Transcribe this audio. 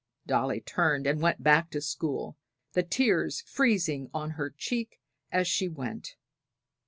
Dolly turned and went back to school, the tears freezing on her cheek as she went.